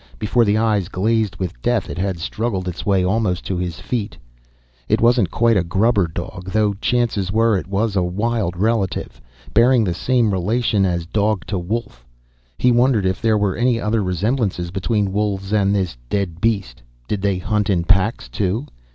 Before the eyes glazed with death it had struggled its way almost to his feet. It wasn't quite a grubber dog, though chances were it was a wild relative. Bearing the same relation as dog to wolf. He wondered if there were any other resemblances between wolves and this dead beast. Did they hunt in packs, too?